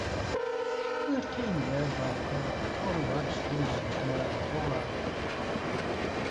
The team led by head of performing arts Ms Gemma Dolan.